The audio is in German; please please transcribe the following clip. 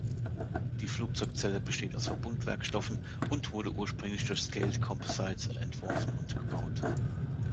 Die Flugzeugzelle besteht aus Verbundwerkstoffen und wurde ursprünglich durch Scaled Composites entworfen und gebaut.